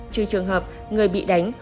trừ trường hợp người bị đánh